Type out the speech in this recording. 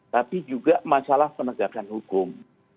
tapi juga masalah penegakan hukum